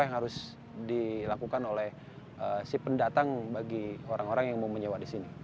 yang harus dilakukan oleh si pendatang bagi orang orang yang mau menyewa di sini